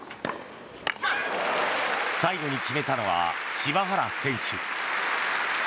最後に決めたのは柴原選手。